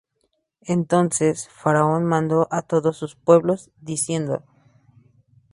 Entonces Faraón mandó á todo su pueblo, diciendo.